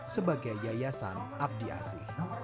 sebagai yayasan abdiasi